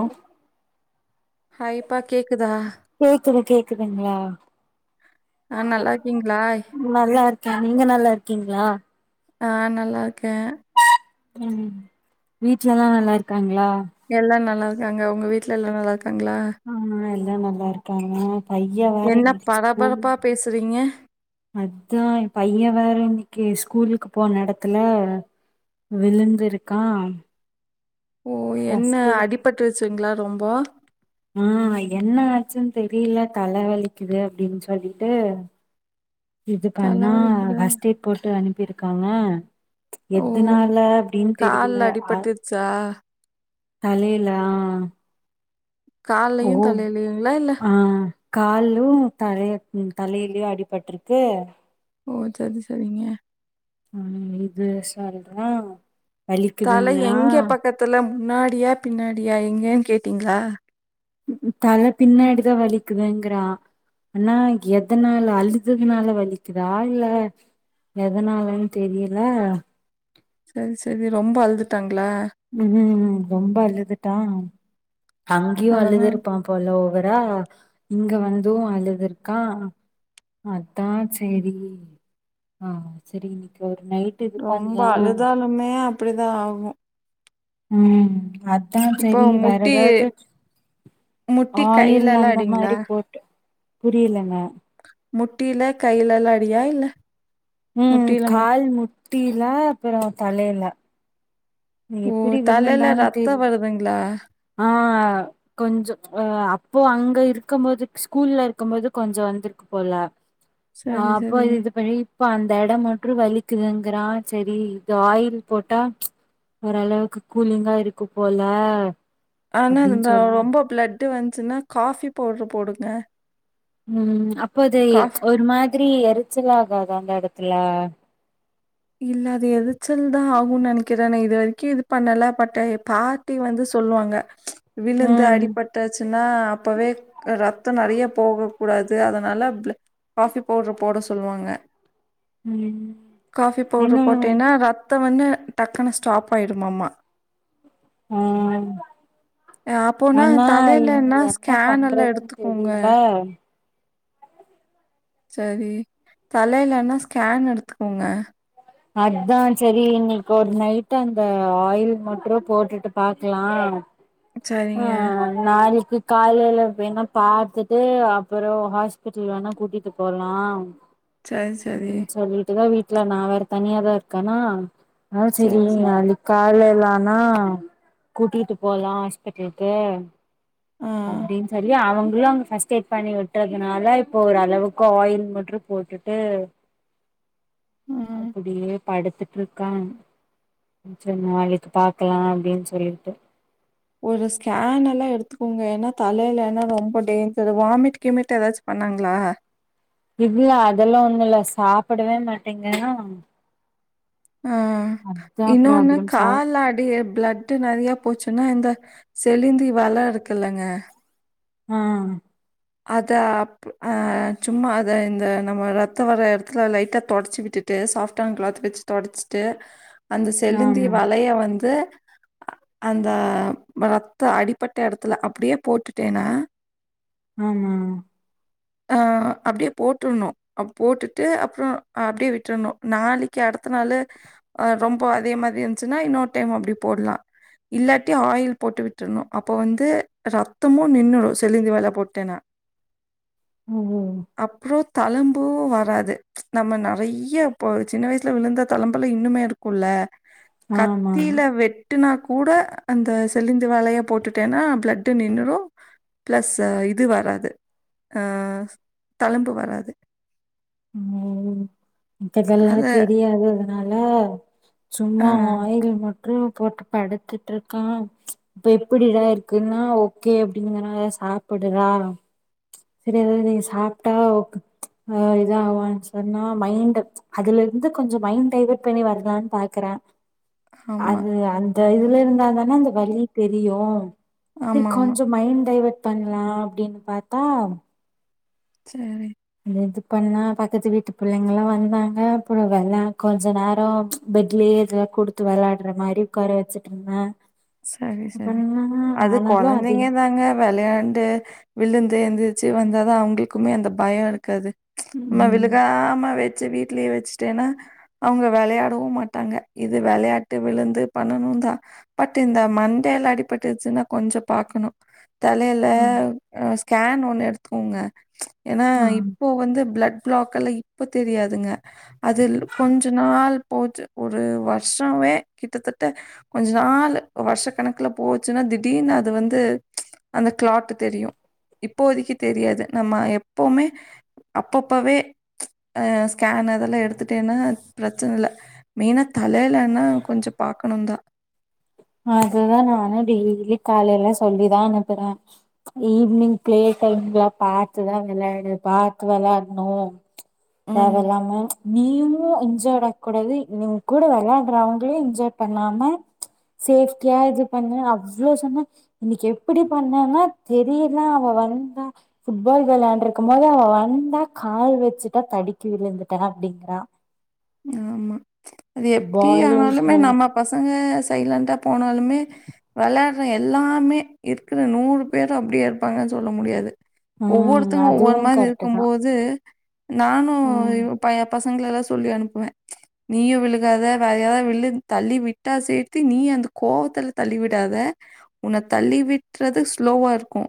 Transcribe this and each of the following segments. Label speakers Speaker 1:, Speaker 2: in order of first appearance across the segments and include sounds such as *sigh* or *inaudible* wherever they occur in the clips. Speaker 1: ஆ ஹாய்ப்பா கேக்குதா
Speaker 2: கேக்குது கேக்குதுங்களா
Speaker 1: ஆ நல்லாருக்கீங்களா?
Speaker 2: ம் நல்லா இருக்கே நீங்க நல்லா இருக்கீங்களா
Speaker 1: ஆ நல்லா இருக்கே
Speaker 2: உம் வீட்லல்லா நல்லா இருக்காங்களா
Speaker 1: எல்லா நல்லா இருக் அங்க உங்க வீட்டுல எல்லா நல்லா இருக்
Speaker 2: ஆஹ் எல்லா நல்லா இருக்காங்க. பையன் வேற
Speaker 1: என்ன
Speaker 2: இன்னைக்குஸ்கூல்
Speaker 1: பரபரப்பா பேசுறீங்க?
Speaker 2: அதா பையன் வேற இன்னைக்கு ஸ்கூலுக்கு போன எடத் த்ல விழுந்திருக்கா
Speaker 1: ஓ என்ன
Speaker 2: ஃபஸ்ட்
Speaker 1: அடிபட்ரு ச்ங்ளா ரொம்போ
Speaker 2: ம் என்ன ஆச்சுன் தெரில தலைவலிக்குது அப்டின் சொல்லிட்டு இது
Speaker 1: தல
Speaker 2: பண்ணா
Speaker 1: வலிக்குதா?
Speaker 2: ஃபர்ஸ்ட் எய்ட் போட்டு அனுப்பிருக்கா அ
Speaker 1: ஓ!
Speaker 2: எதுனால அப்டின் தெரியல
Speaker 1: கால்ல
Speaker 2: ஆ
Speaker 1: அடிபட்டுருச்சா?
Speaker 2: தலைலா ஆ
Speaker 1: கால்லையு தலைலயுங்களா இல்ல
Speaker 2: காலு தலைய ம் தலைலயு அடிபட்ருக்கு
Speaker 1: ஓ சரி சரிங்க
Speaker 2: அஹ் இது சாருதா
Speaker 1: தல எங்கே பக்கத்துல முன்னாடியா பின்னாடியா எங்கேன் கேட்டீங்ளா
Speaker 2: தல பின்னாடிதா வலிக்குதுங்றா ஆனா எதனால அழுதுதுனால வலிக்குதா இல்ல எதனாலனு தெரியல அ
Speaker 1: சரி சரி ரொம்ப அழுதுட்டாங்
Speaker 2: உம் ம் ரொம்ப அழுதுட்டா அங்யும் அழுது
Speaker 1: அதெல்லாம்
Speaker 2: இருப்பா போலோ *unintelligible* இங்க வந்து அழுதுருக்கா அத்தா சேரி ஆ சேரி இன்னைக்கு ஒரு நைட் இது
Speaker 1: ரொம்ப
Speaker 2: பண்லா
Speaker 1: அழுதாலுமே அப்டிதா ஆகும்
Speaker 2: உம் அதா
Speaker 1: இப்போ
Speaker 2: சரி வேற
Speaker 1: முட்டி
Speaker 2: எதாவது
Speaker 1: முட்டி
Speaker 2: ஆயில்
Speaker 1: கையிலலாம்
Speaker 2: அந்த
Speaker 1: அடிங்களா?
Speaker 2: மாரி போட்டு புரியலங்க
Speaker 1: முட்டியில கையிலல்லா அடியா இல்ல
Speaker 2: உம்
Speaker 1: முட்டியில மட்டும்
Speaker 2: கால் முட்டியில அப்பறோ தலையில நீ
Speaker 1: ஓ!
Speaker 2: எப்டி
Speaker 1: தலையில
Speaker 2: விழுந்தான்னு
Speaker 1: ரத்தம்
Speaker 2: தெரியும்
Speaker 1: வருதுங்களா?
Speaker 2: ஆஹ் கொஞ்சம் ஹஹ இப்போ அங்க இருக்கும் போது ஸ்கூல்ல இருக்கும் போது கொஞ்சம் வந்திருக்கு போல
Speaker 1: சரி,
Speaker 2: ஆஹ் அப்போ
Speaker 1: சரி.
Speaker 2: *unintelligible* இப்போ அந்த இடம் மட்டும் வலிக்குதுங்கிறான் செரி இது ஆயில் போட்டா ஓரளவுக்கு கூலிங்கா இருக்கு போல
Speaker 1: ஆனா
Speaker 2: அப்டின்னு
Speaker 1: அவுங்க
Speaker 2: சொல்லு
Speaker 1: ரொம்ப பிளட் ட்டு வந்துச்சுன்னா காபி பவுடர் போடுங்க
Speaker 2: உம் இப்போத
Speaker 1: காஃப்
Speaker 2: ஒரு மாதிரி எரிச்சல் ஆகாத அந்த எடத்துல
Speaker 1: இல்ல அது எரிச்சல் தா ஆகும்னு நினைக்கிற நா இது வரைக்கும் இது பண்ணல பட் பாட்டி வந்து சொல்லுவாங்க விலுந்து
Speaker 2: ம்
Speaker 1: அடிபாட்டாச்சுன்னா அப்பவே ரத்தோ நெறைய போக கூடாது அதனால காபி பவுடர் போட சொல்லுவாங்க
Speaker 2: உம்
Speaker 1: காஃபி பவுடரு போட்டின்னா ரத்தம் வந்து டக்குனு ஸ்டாப் ஆய்டுமாமா
Speaker 2: உஹ்
Speaker 1: அப்போனா
Speaker 2: ஆனா இங்க
Speaker 1: தலைலன்னா
Speaker 2: என்ன
Speaker 1: ஸ்கேன் எல்லா
Speaker 2: பண்றதுன்னு
Speaker 1: எடுத்துக்கோங்க
Speaker 2: தெரியல
Speaker 1: செரி தலைய்லன்னா ஸ்கேன் எடுத்துக்கோங்க போங்க
Speaker 2: அத்தான் செரி இன்னைக்கு ஒரு நைட் அந்த ஆயில் மட்டும் போட்டுட்டு பாக்கலா
Speaker 1: செரிங்க
Speaker 2: காலையில வேணா பார்த்திட்டு அப்றோ ஹாஸ்பிட்டல் வேணும்னா கூட்டிட்டு போலாம்.
Speaker 1: சரி சரி
Speaker 2: ம்ம் சொல்லிட்டுத்தான் வீட் ல்ல நா வேற தனியாதான் இருக்கனா. ஆஹ் சரி அ கால லனா கூட்டிட்டு போலாம் ஆஸ் *unintelligible*
Speaker 1: ஆ
Speaker 2: அப்டின் சரி அவுங் உள்ளங் ஃபர்ஸ்ட் எய்டு பண்ணி விட்டறதுனால இப்ப ஒரு அளவுக்கு ஆயில் மட்டும் போட்டுட்டு
Speaker 1: ம்
Speaker 2: அப்பிடியே படுத்திட்டு இருக்கான் சரி நாளைக்கு பாக்கலாம் அப்பிடின்னு சொல்லிட்டு
Speaker 1: ஒரு ஸ்கேன் எல்லாம் எடுத்துக்கோங்க ஏன்னா தலையில, ஏன்னா ரொம்ப டேஞ்சரு ஒமிட் கிமிட் ஏதாச்சும் பண்ணாங்களா.
Speaker 2: இல்ல அதெல்லாம் ஒன்னும் இல்ல சாப்பிடவே மாட்டேங்கிறன்.
Speaker 1: ஆஹ் இன்னொன்னு
Speaker 2: சா
Speaker 1: கால்ல அடி பிளட்டு நறைய போச்சுன்னா இந்த சிலந்தி வல இருக்குலாங்க
Speaker 2: ஆஹ்
Speaker 1: அத அப் அஹ சும்மா அத இந்த நம்ம ரத்தம் வர இடத்துல லைட்ட தொடச்சி விட்டுட்டு சாப்டான கிளாத் வச்சு தொடச்சிட்டு அந்த செலுந்தி
Speaker 2: ஆமா
Speaker 1: வலைய வந்து அந்த ரத்த அடிப்பட்ட இடத்தில அப்பிடியே போட்டுட்டேன்னா
Speaker 2: ஆமா.
Speaker 1: அஹ் அப்பிடியே போட்டுரனும் அப் போட்டுட்டு அப்றோம் அப்பிடியே விட்டுரணும் நாளைக்கு அடுத்த நாள் அஹ் ரொம்ப அதே மாதிரி இருந்திச்சுன்னா இன்னொரு டைம் அப்டி போடலாம், இல்லாட்டி ஆயில் போட்டு விட்டுரணும் அப்போ வந்து ரத்தமும் நின்னுரும் செலிந்தி வல போட் டேனா
Speaker 2: மம்
Speaker 1: தழும்பு வராது நம்ம நறைய இப்போ சின்ன வயசுல விழுந்த தழும்புயெல்லாம் இன்னுமே இருக்கும்ல.
Speaker 2: ஆமா
Speaker 1: கத்தில வெட் வெட்டுனா கூட அந்த செலிந்தி வலய போட்டுட்டேன்னா பிளட்டு நின்னிடும் பிளஸ் இத் இது வராது ஆஹ் தழும்புவராது.
Speaker 2: *unintelligible*
Speaker 1: அத
Speaker 2: *unintelligible* தெரியாது. நல்லா
Speaker 1: ஆ
Speaker 2: சும்மா ஆயில் மட் ரூம் போட்டு படுத்திட்டு இருக்கான் இப்ப எப்பிடிடா இருக்குன்னா ஓகே அப்டிங்குறான் சாப்பிடுறா சரி எத சாப்பிட்டா அ இத அவன் சொன்னா மைண்ட் அதுல இருந்து கொஞ்சம் மைண்ட் டைவட் பண்ணி வருதான்னு பாக்குறேன்
Speaker 1: ஆமா.
Speaker 2: அது அந் இதுல இருந்தா தானே அந்த வலி தெரியும். ரி
Speaker 1: ஆமாமா.
Speaker 2: கொஞ்ச மைண்ட் டைவர்ட் பண்லாம் அப்டினு பாத்தா
Speaker 1: சரி
Speaker 2: இது பண்ணா பக்கத்து வீட்டு பிள்ளைங்கல்லாம் வந்தாங்க அப்புறம் வெளா கொஞ்ச நேரம் பெட்லயே இததுல்லாம் கொடுத்து விளையாடுற மாதிரி உட்கார வச்சுட்டு இருந்தேன்
Speaker 1: சரி சரி அது
Speaker 2: அது
Speaker 1: கொழந்தைங்க தாங்க வெளையாட் ண்டு விழுந்து எழுந்திரிச்சு வந்தாதா அவங்களுக்குமே அந்த பயம் இருக்காது. ச் அம்ம
Speaker 2: ம்
Speaker 1: விழுகாம வெட் செரி வீட்லயே வச்சுட்டேன்னா அவுங்க வெளையாடவு மாட்டாங்க இது வெளையாட்டு விழுந்து பண்ணனு தா. பட் இந்த மண்டேல அடிபட்ருச்சுன்னா கொஞ்சோ பாக்கணு. தலையில
Speaker 2: ம்
Speaker 1: ஸ்கேன் ஒன்னு எடுத் போங்க ம்ச். ஏன்னா
Speaker 2: ஆ
Speaker 1: இப்போ வந்து பிளட் பளாக்கல்லா இப்ப தெரியாதுங்க அது கொஞ்ச நாள் போச்சி ஒரு வருஷமே கிட்டத்தட்ட கொஞ்ச நாள். அ வருஷ கணக்குல போச்சுன்னா திடீர்னு அது வந்து அந்த கிளாட் தெரியும் இப்போததைக்கு தெரியாது நம்ம எப்பவுமே அப்பப்பவே அ ஸ்கேன் அதெல்லாம் எடுத்துட்டேன்னா பிரச்சனை இல்ல மெயினா தலைலனா கொஞ்சோ பாக்கணும் தான்
Speaker 2: அதுதா நானு டெய்லி காலைல சொல்லிதான் அனுப்புனே ஈவினிங் பிளே டைம்லாம் பாத்துத்தான் விளையாடு பாத்து விளையாட்னும்
Speaker 1: ம்.
Speaker 2: தேவ இல்லாம நீயு இஞ்ஜோட ஆக கூடாது இவங்க கூட வெளையாடுறவங்களையு இஞ்சட் பண்ணாம. சேஃப்டியா இது பண்ணு அவ்ளோ சொன்ன இன்னைக்கு எப்படி பண்ணேன்னா தெரியல அவ வந்தா புட்பால் விளையாண்ட்ருக்கு போது அவ வந்தா கால் வச்சுட்டா தடிக்கி விழுந்துட்டே அப்டிங்கறா.
Speaker 1: ஆமா அது எப்டி
Speaker 2: பாலு
Speaker 1: ஆனாலுமே நம்ம பசங்க சைலன்டா. போனாலுமே வெளையாடுற எல்லாமே இருக்குற நூறு பேரு அப்டியே இருப்பாங்கன்னு சொல்ல முடியாது.
Speaker 2: ம்
Speaker 1: ஒவ்வொருத்தங்க
Speaker 2: அதுவு
Speaker 1: ஒவ்வொரு மாரி
Speaker 2: கரெக்ட்டு
Speaker 1: இருக்கும்
Speaker 2: தா
Speaker 1: போது நானு வ் பயப் பஸ் எங்ளலா சொல்லி அனுப் நீயு விழுகாத வேற யாராவது விழு தள்ளி விட்டா சேத்தி நீ அந்த கோவத்துல தள்ளி விடாத உன்ன தள்ளி விட்றது ஸ்லோவா இருக்கு.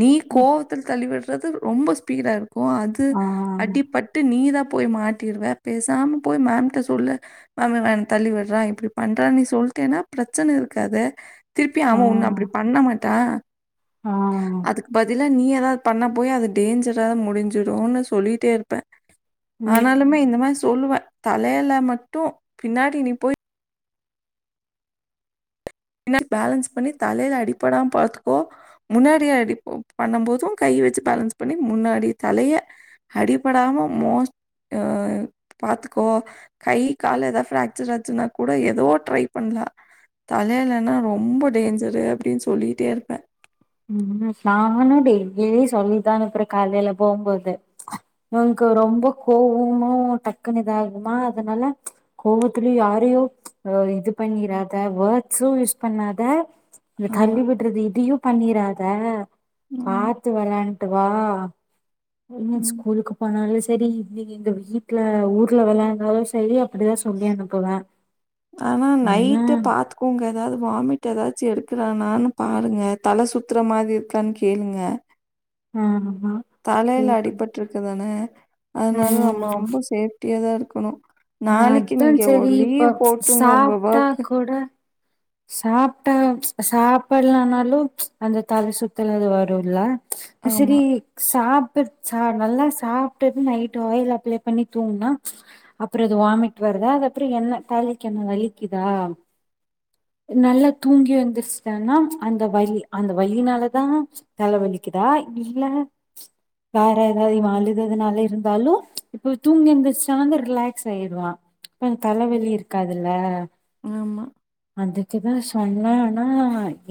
Speaker 1: நீ
Speaker 2: ம்
Speaker 1: கோவத்துல தள்ளி விட்ர் தது ரொம்ப ஸ்பீடா இருக் போ அது
Speaker 2: ஆ,
Speaker 1: அடிப்பட்டு நீதாப் போயி மாட்டிடுவ பேசாம போய் மேம்ட்ட சொல்லு மேம் இவன் என்ன தள்ளி விடுறா இப்டி பண்றான் நீ சொல்லிட்டன்னா பிரச்சன இருக்காதே. திருப்பி
Speaker 2: ஆ,
Speaker 1: அவன் உன்ன அப்புடி பண்ண மாட் டா.
Speaker 2: ஆ.
Speaker 1: அதுக்கு பதில். இல்ல நீ ஏதாவது பண்ண போயி அது டேஞ்சரா முடிஞ்சிடும்னு சொல்லிட்டே இருப்பேன் ஆனாலுமே
Speaker 2: ம்,
Speaker 1: இந்த மாரி சொல்லுவ. தலைல மட்டு பின்னாடி நீ போய் ன்னா பேலன்ஸ் பண்ணி தலையில அடிப்படாம பாத்துக்கோ, முன்னாடி அடி *unintelligible* பண்ணு போது கை வச்சு பேலன்ஸ் பண்ணி முன்னாடி தலைய அடிப்படாம மோஸ்ட் ஆ, பாத்துக்கோ கை கால்ல எதாது பிராக்சர் ஆச்சுன்னா கூட எதோ ட்ரை பண்லா. தலைலன்னா ரொம்ப டேஞ்சரு அப்டின்னு சொல்லிட்டே இருப்பே.
Speaker 2: உம் *inaudible* நானு டெய்லி சொல்லிதா அனுப்புறே, காலையில போம்போது இவன்க்கு ரொம்ப கோவமு டக்குன்னு இதாகுமா அதனால மச், கோவத்துலயு யாரையு அ, இது பண்ணிறாத வேர்ட்ஸு யூஸ் பண்ணாத. இத
Speaker 1: ஆமா,
Speaker 2: தள்ளி விடுறது இதியு. பண்ணிராத
Speaker 1: ஆமா.
Speaker 2: பாத்து வரே ட்டு வா ம் ஸ்கூலுக்கு போனாலு செரி இன்னிக்கு எங்க வீட்ல ஊர்ல வெளாண்டாலு செரி அப்படிதா சொல்லி அனுப்புவே.
Speaker 1: ஆனா நைட்டு பாத்துக்கோங்க. ஏதாவது வாமிட் ஏதாச்சு எடுக்கிறானான்னு பாருங்க தல சுத்துற மாதிர் இருக்கான்னு கேளுங்க.
Speaker 2: ஹம்.
Speaker 1: தலையில அடிபட்டுருக்குதானே? அதனால நம்ம
Speaker 2: ம்
Speaker 1: ரொம்ப சேஃப்டியா தா இரு குனு
Speaker 2: நா அதா செரி இப்ப
Speaker 1: போட்டுருங்க உங்க
Speaker 2: சாப்ட்டா
Speaker 1: வொர்க்கு.
Speaker 2: கூட சாப்ட்டா சாப்பட்லனாலு அந்த தல சுத்தல் அது வருல்ல
Speaker 1: ஆமா,
Speaker 2: செரி சாப் *unintelligible* சார் நல்லா சாப்பட்டு நைட்டு ஆயில் அப்ளை பண்ணி தூங்குனா அப்றோ அது வாமிட் வருதா அது அப்றோ என்ன தலக்கு என்ன வலிக்குதா நல்லா தூங்கி எழுந்தருச்சுட்டன்னா அந்த வலி அந்த வலினாலதா தலவலிக்குதா இல்ல வேற ஏதாவது அழுதனால இருந்தாலு இப்ப தூங்கி எந்திரிச்சாந்து ரிலாக்ஸ் ஆயிடுவா இப்ப தலவலி இருக்காதுல்ல.
Speaker 1: ஆமா.
Speaker 2: அதுக்குதா சொன்னேனா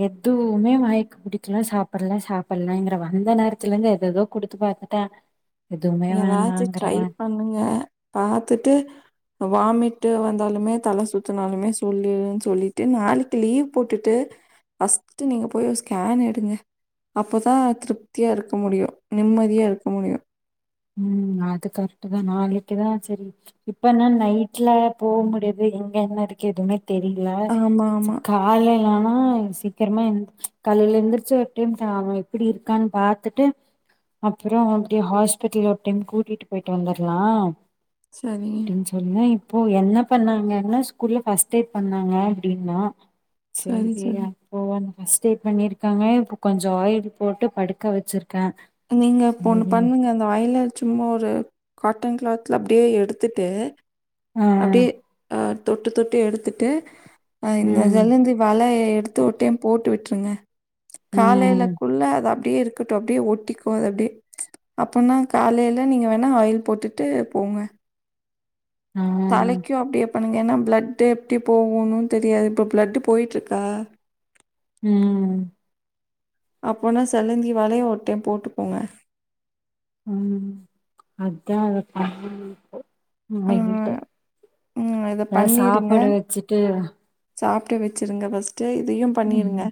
Speaker 2: எதுவுமே வாய்க்கு புடிக்கல சாப்பிடல சாப்பிடலங்கற வந்த நேரத்துல இருந்து எததோ குடுத்து பாத்துட்டே. எதுவுமே
Speaker 1: ஏதாச்சு
Speaker 2: வேண்டாங்கிற
Speaker 1: ட்ரை
Speaker 2: மாரி
Speaker 1: பண்ணுங்க பாத்துட்டு வாமிட் ட்டு வந்தாலுமே தல சுத்தினாலுமே சொல்லிருனு சொல்லிட்டு நாளைக்கு லீவ் போட்டுட்டு பஸ்ட் நீங்க போய் ஒரு ஸ்கேன் எடுங்க அப்பதா திருப்தியா இருக்க முடியு நிம்மதியா இருக்க முடியு.
Speaker 2: ஹும் அது கரெக்ட்தா நாளைக்தா செரி இப்பனா நைட்ல போக முடியாது, எங்க என்ன இருக்கு எதுவுமே தெரியல
Speaker 1: ஆமா, ஆமா.
Speaker 2: காலைல்லானா ஹா சீக்கிரமா எந் காலைல்ல எழுந்திரச்சுட்டு, ஹாம் எப்படி இருக்கான்னு பாத்துட்டு, அப்றோ அப்படி ஹாஸ் பிடல் ஒரு டைம் கூட்டிட்டு போயிட்டு வந்தரலா
Speaker 1: சரிங்க.
Speaker 2: அப்டின்னு சொல்லி இப்போ என்ன பண்ணாங்கன்னா ஸ்கூல்ல ஃபஸ்ட் எய்ட் பண்ணாங்க அப்படின்னா
Speaker 1: சரி, சரி.
Speaker 2: செரியான் போவான்னு ஃபஸ்ட் எய்டு பண்ணிருக்காங்க இப்போ கொஞ்ச ஆயில் போட்டு படுக்க வச்சிருக்
Speaker 1: நீங்க இப்பொண்ணு பண்ணுங்க இந்த ஆயில சும்மா ஒரு காட்டன் கிளாத்ல அப்டியே எடுத்துட்டு
Speaker 2: ஆ
Speaker 1: அப்டியே ஆன் தொட்டு தொட்டு எடுத்துட்டு அ
Speaker 2: ம்
Speaker 1: இந்ததலந்து வலைய எ *unintelligible* டுத்து ஒருடைம் போட்டு விட்டுருங்க
Speaker 2: ம்
Speaker 1: காலைலக்குள்ள அது அப் அப்படியே இருக்கட்டு அப்படியே ஒட்டிக்கோ அது அப்படியே அப்ப னா காலையில நீங்க வேணா ஆயில் போட்டுட்டு போங்க
Speaker 2: ஆ
Speaker 1: தலைக்கு அப்டியே பண்ணுங்க ஏன்னா ப்ளட் எப்டி போகுணு தெரியாது இப்ப ப்ளட் போயிட்டு இருக்கா
Speaker 2: ம்
Speaker 1: அப்போனா செல்லந்தி வலைய ஒரு டைம் போட்டு போங்க.
Speaker 2: ம் அதா அதுக்கப்பறமா
Speaker 1: ஆ.
Speaker 2: *unintelligible*
Speaker 1: ம். இத
Speaker 2: எத சாப்பாடு வச்சுட்டு
Speaker 1: சாப்டு வச்சுருங்க ஃபஸ்ட் ட்டு இதையு
Speaker 2: ம்
Speaker 1: பண்ணிருங்க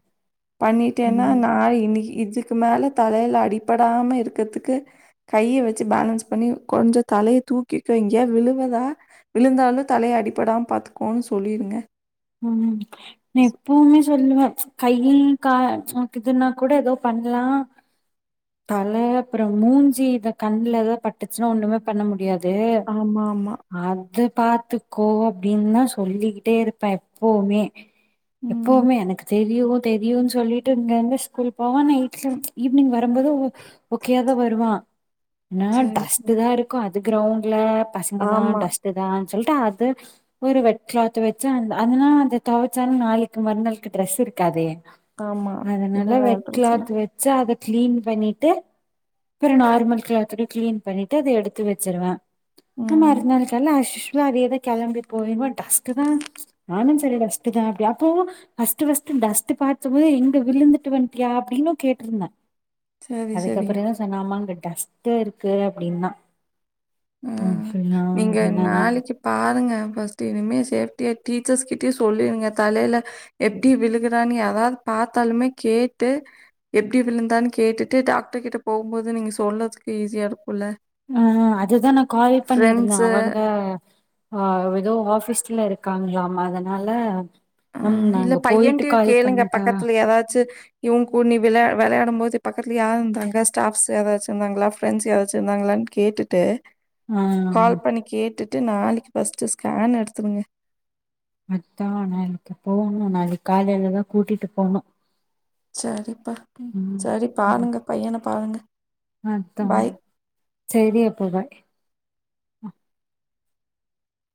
Speaker 1: பண்ணிட்டேன்னா நா
Speaker 2: ம்
Speaker 1: இன்னிக்கு இத் இதுக்கு மேல தலைல அடிப்படாம இருக்கறத்துக்கு கைய வச்சு பேலன்ஸ் பண்ணி கொஞ்ச தலைய தூக்கி எங்கியாது விழுவதா விழுந்தாலு தலைய அடிப்படாம பாத்துக்கோனு சொல்லியிருந்தே.
Speaker 2: ம், ம் நா எப்பவுமே சொல்லுவே கையி கா உனக்கு இதுன்னா கூட எதோ பண்ணலா தல அப்பறோ மூஞ்சி இத கண்ல எதாது பட்டுச்சுன்னா ஒண்ணுமே பண்ண முடியாது. டேய்
Speaker 1: ஆமாமா.
Speaker 2: அது பாத்துக்கோ அப்டின்னுதா சொல்லிக்கிட்டே இருப்பே எப்பவுமே
Speaker 1: ம்.
Speaker 2: எப்பவுமே எனக்கு தெரியு தெரியு சொல்லிட்டு இங்க இருந்து ஸ்கூல் போவ நைட்ல ஈவினிங் வர்ற வரம்போது ஓ-ஓக்கேயா தா வருவா. ஆன
Speaker 1: சரி, சரி.
Speaker 2: டஸ்ட்தா இருக்கு அது இது கிரௌண்ட்ல பசங்கதா
Speaker 1: ஆமா,
Speaker 2: டஸ்டுதா சொல்ட்டா அது ஒரு வெட் கிளாத் வச்சு அந் அதனா அத தொவச்சாலு நாளைக்கு மறுநாளுக்கு ட்ரெஸ் இருக்காதே
Speaker 1: ஆமா.
Speaker 2: அதனால
Speaker 1: இதுதான்
Speaker 2: வெட்
Speaker 1: பிரச்சன.
Speaker 2: கிளாத் வச்சு அது கிளீன் பண்ணிட்டு அப்றோ நார்மல் கிளாத்க்கு கிளீன் பண்ணிட்டு அத எடுத்து வச்சிருவே *unintelligible*
Speaker 1: ம்.
Speaker 2: இருந்தாலு தெர்ல அது எதோ கிளம்பி போயிருவன்- *unintelligible* ஃமேனேஜ் சரி டஸ்ட் தா அப்டி அப்போவு ஃபர்ஸ்ட் ஃபர்ஸ்ட் டஸ்ட் பாத்துமே எங்க விழுந்துட்டு வந்ட்டியா அப்படினு கேட்ருந்த.
Speaker 1: சரி, சரி.
Speaker 2: அதுக்கப்பறதா சொன்ன ஆமாங்கட் டஸ்ட்டு இருக்கு அப்டின்னோ
Speaker 1: ம் நீங்க நாளைக்கி பாருங்க. ஃபஸ்ட் இனிமே சேஃப்டியா டீச்சர்ஸ்கிட்டயு சொல்லிடுங்க தலையில எப்டி விழுகுறான்னு யாராவது பாத்தாலுமே கேட்டு எப்டி விழுந்தான்னு கேட்டுட்டு டாக்டர் கிட்ட போகும்போது நீங்க சொல்றதுக்கு ஈஸியாக இருக்குல.
Speaker 2: ஆ அது தா நா கால் பண்ணியிருந்த
Speaker 1: ஃப்ரெண்ட்ஸு
Speaker 2: அவங்க ஆ எதோ ஆபீஸ்ல இருக் இருக்காங்களாம அதனால
Speaker 1: ஆ
Speaker 2: மேம்
Speaker 1: இல்ல
Speaker 2: நாங்க போயிட்டு
Speaker 1: பையன்டயும
Speaker 2: கால்
Speaker 1: கேளுங்க
Speaker 2: பண்ணட்டா
Speaker 1: பக்கத்துல எதாச்சு இவ கூண்ணி விளைய வெளையாடும் போது பக்கதுல யாருந்தாங்க ஸ்டாஃப்ஸ் யாராச்சு இருந்தாங்களா ஃப்ரெண்ட்ஸ் யாராச்சு இருந்தாங்களா கேட்டுட்டு
Speaker 2: ஆ
Speaker 1: கால் பண்ணி கேட்டுட் ட்டு நாளைக்கு ஃபர்ஸ்ட் ஸ்கேன் எடுத்துருங்க.
Speaker 2: அத்தா நா இன்னைக்கு போகணு நாளைக்கு காலயிலதா கூட்டிட்டு போணு.
Speaker 1: சேரிப்பா
Speaker 2: ம்
Speaker 1: சேரி
Speaker 2: ம்
Speaker 1: பாருங்க பையன பாருங்க
Speaker 2: அதா
Speaker 1: ஃபாய்.
Speaker 2: ஹ